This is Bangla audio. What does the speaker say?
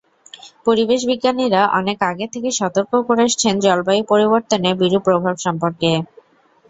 পরিবেশবিজ্ঞানীরা অনেক আগে থেকে সতর্ক করে আসছেন জলবায়ু পরিবর্তনের বিরূপ প্রভাব সম্পর্কে।